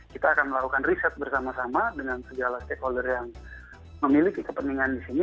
kita akan melakukan riset bersama sama dengan segala stakeholder yang memiliki kepentingan di sini